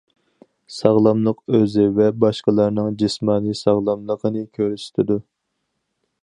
ساغلاملىق ئۆزى ۋە باشقىلارنىڭ جىسمانىي ساغلاملىقىنى كۆرسىتىدۇ.